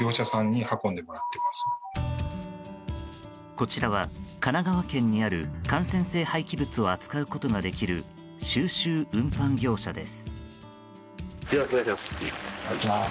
こちらは神奈川県にある感染性廃棄物を扱うことができる収集運搬業者です。